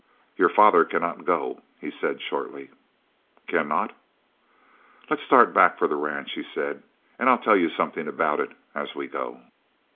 "Your father cannot go," he said shortly. "Cannot?" "Let's start back for the ranch," he said, "and I'll tell you something about it as we go."